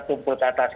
tumpul ke atas